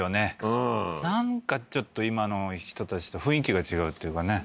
うんなんかちょっと今の人たちと雰囲気が違うっていうかね